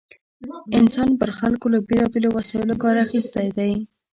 انسان پر خلکو له بېلا بېلو وسایلو کار اخیستی دی.